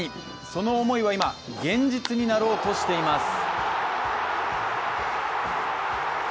その思いは今、現実になろうとしています。